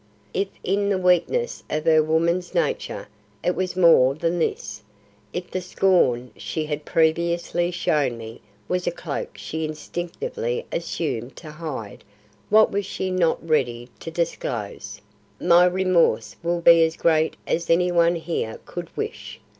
If in the weakness of her woman's nature, it was more than this if the scorn she had previously shown me was a cloak she instinctively assumed to hide what she was not ready to disclose, my remorse will be as great as any one here could wish.